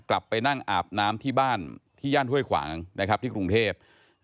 กลับไปนั่งอาบน้ำที่บ้านที่ย่านห้วยขวางนะครับที่กรุงเทพ